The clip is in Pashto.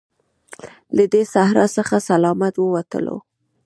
له دې صحرا څخه سلامت ووتلو.